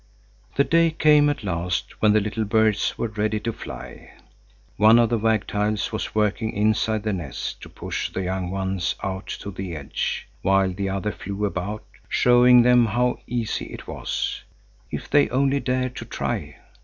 The day came at last when the little birds were ready to fly. One of the wagtails was working inside the nest to push the young ones out to the edge, while the other flew about, showing them how easy it was, if they only dared to try.